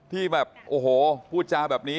ที่แบบโอ้โหพูดจาแบบนี้